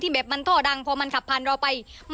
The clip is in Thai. ไม่แต่อันนี้โอ้วปากปุ้งไปเลย